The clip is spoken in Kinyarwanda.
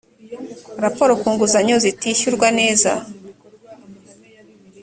raporo ku nguzanyo zitishyurwa neza